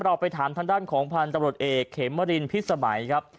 ไปถามทางด้านของพันธุ์ตำรวจเอกเขมรินพิษสมัยครับ